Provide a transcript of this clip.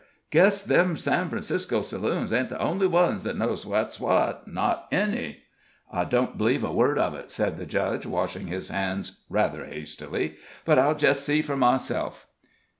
Guess them San Francisco saloons ain't the only ones that knows what's what not any!" "I don't b'leeve a word of it," said the judge, washing his hands rather hastily; "but I'll jest see for myself."